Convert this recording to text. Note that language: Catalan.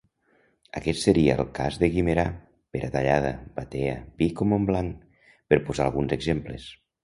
Aquest seria el cas de Guimerà, Peratallada, Batea, Vic o Montblanc, per posar alguns exemples.